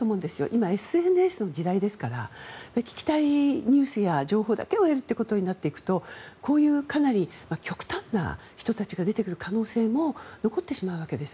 今、ＳＮＳの時代ですから聞きたいニュースや情報だけを得るということになるとこういう極端な人たちが出てくる可能性も残ってしまうわけです。